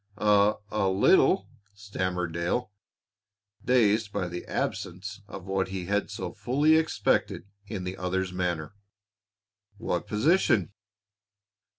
"A a little," stammered Dale, dazed by the absence of what he had so fully expected in the other's manner. "What position?"